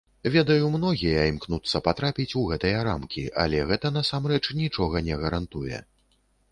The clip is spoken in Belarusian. Ведаю, многія імкнуцца патрапіць у гэтыя рамкі, але гэта насамрэч нічога не гарантуе.